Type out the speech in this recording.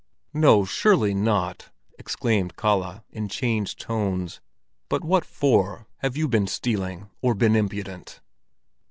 "No, surely not!" exclaimed Kalle, in changed tones. "But what for? Have you been stealing? Or been impudent?"